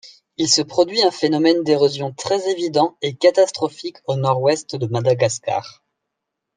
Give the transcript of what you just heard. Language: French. Il se produit un phénomène d'érosion très évident et catastrophique au nord-ouest de Madagascar.